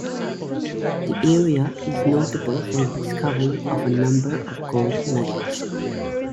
The area is notable for the discovery of a number of gold nuggets.